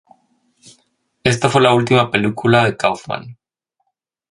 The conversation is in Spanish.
Esta fue la última película de Kaufman.